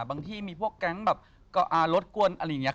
บางทีมีพวกแก๊งแบบรบกวนอะไรอย่างนี้